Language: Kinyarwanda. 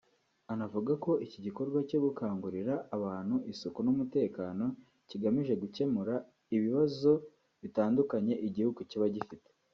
anavuga ko iki gikorwa cyo gukangurira abantu isuku n’umutekano kigamije gukemura ibibazo bitandukanye igihugu kiba gifite